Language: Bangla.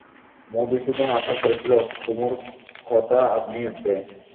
মধুসূদন আশা করেছিল, কুমুর কথা আপনিই উঠবে।